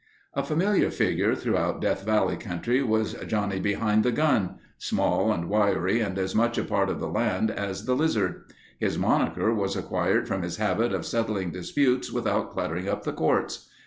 A familiar figure throughout Death Valley country was Johnny Behind the Gun—small and wiry and as much a part of the land as the lizard. His moniker was acquired from his habit of settling disputes without cluttering up the courts.